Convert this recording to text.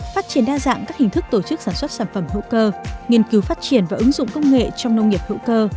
phát triển đa dạng các hình thức tổ chức sản xuất sản phẩm hữu cơ nghiên cứu phát triển và ứng dụng công nghệ trong nông nghiệp hữu cơ